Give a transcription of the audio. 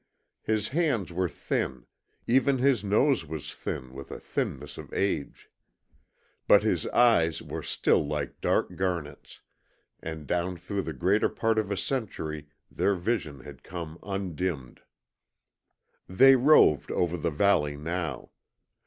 His hands were thin, even his nose was thin with the thinness of age. But his eyes were still like dark garnets, and down through the greater part of a century their vision had come undimmed. They roved over the valley now.